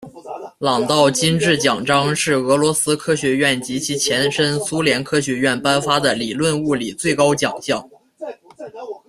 朗道金质奖章是俄罗斯科学院及其前身苏联科学院颁发的理论物理最高奖项。